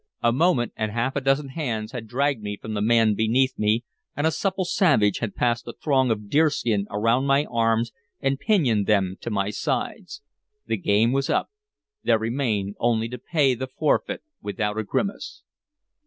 A moment, and half a dozen hands had dragged me from the man beneath me, and a supple savage had passed a thong of deerskin around my arms and pinioned them to my sides. The game was up; there remained only to pay the forfeit without a grimace.